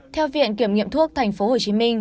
theo viện kiểm nghiệm thuốc thành phố hồ chí minh